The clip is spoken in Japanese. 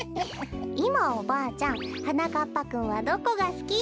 いまおばあちゃんはなかっぱくんはどこがすきっていってた？